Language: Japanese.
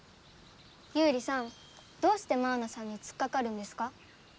ユウリさんどうしてマウナさんにつっかかるんですか？